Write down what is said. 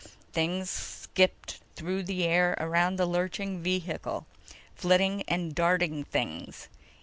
Things skipped through the air around the lurching vehicle: flitting and darting things.